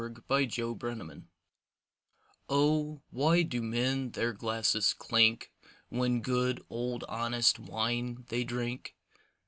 THE FIVE SENSES Oh, why do men their glasses clink When good old honest wine they drink?